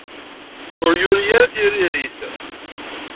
Ur yuri ara tiririt.